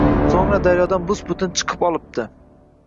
So‘ngra daryodan bus-butun chiqib olibdi